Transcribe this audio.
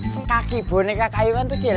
semkaki boneka kayu kan tuh jelek